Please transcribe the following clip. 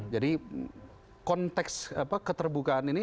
jadi konteks keterbukaan ini